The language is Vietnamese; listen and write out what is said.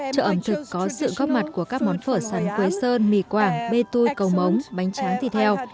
chợ ẩm thực có sự góp mặt của các món phở sắn quê sơn mì quảng bê tui cầu mống bánh tráng tỷ theo